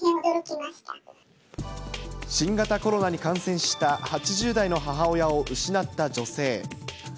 新型コロナに感染した８０代の母親を失った女性。